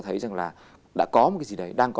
thấy rằng là đã có một cái gì đấy đang có